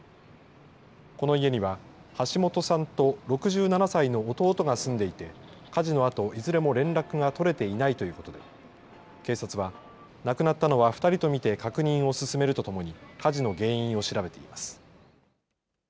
この家には橋本さんと６７歳の弟が住んでいて火事のあといずれも連絡が取れていないということで警察は亡くなったのは２人とみて確認を進めるとともに火事の原因を調べています。